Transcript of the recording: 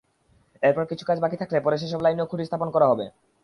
এরপর কিছু কাজ বাকি থাকলে পরে সেসব লাইনেও খুঁটি স্থাপন করা হবে।